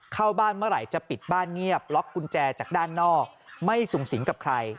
เข้าบ้านเมื่อไหร่จะปิดบ้านเงียบล็อกกุญแจจากด้านนอกไม่สูงสิงกับใคร